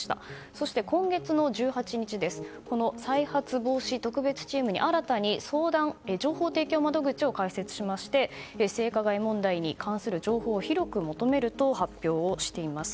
そして今月１８日この再発防止特別チームに新たに情報提供窓口を開設しまして性加害問題に関する情報を広く求めると発表しています。